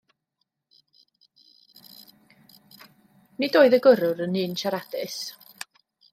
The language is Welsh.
Nid oedd y gyrrwr yn un siaradus.